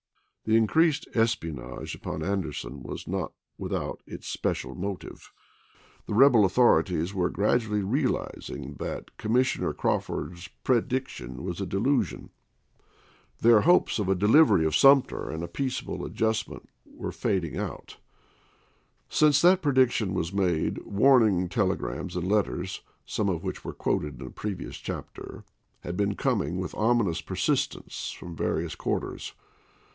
The increased espionage upon Anderson was not without its special motive. The rebel authori ties were gradually realizing that Commissioner Crawford's prediction was a delusion. Their hopes THE SUMTER EXPEDITION 31 of a delivery of Sumter and a peaceable adjust chap. ii. ment were fading out. Since that prediction was made warning telegrams and letters, some of which were quoted in a previous chapter, had been coming with ominous persistence from various quarters.